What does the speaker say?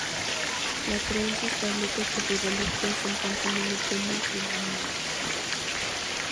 La creencia establece que sus reliquias se encuentran en una tumba en Milán.